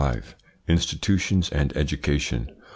INSTITUTIONS AND EDUCATION.